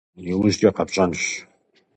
Иужькӏэ къэпщӏэнщ.